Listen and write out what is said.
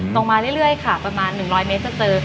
มาเรื่อยค่ะประมาณ๑๐๐เมตรจะเจอ